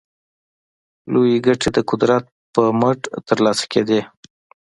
لویې ګټې د قدرت پر مټ ترلاسه کېدې.